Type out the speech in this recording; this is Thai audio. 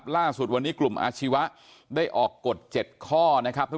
ล่าสุดวันนี้กลุ่มอาชีวะได้ออกกฎ๗ข้อนะครับ